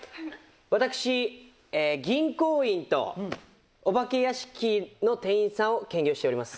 私銀行員とお化け屋敷の店員さんを兼業しております。